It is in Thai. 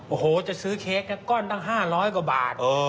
โอ้โหจะซื้อเค้กก้อนตั้ง๕๐๐กว่าบาท